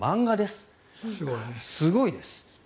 すごいです。